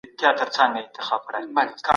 ځوانان د لوړو زده کړو لپاره بهر ته تلل.